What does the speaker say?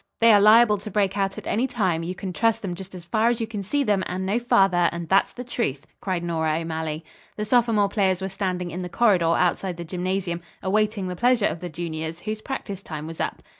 "They are liable to break out at any time, you can trust them just as far as you can see them and no farther, and that's the truth," cried Nora O'Malley. The sophomore players were standing in the corridor outside the gymnasium awaiting the pleasure of the juniors, whose practice time was up.